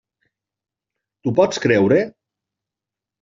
T'ho pots creure?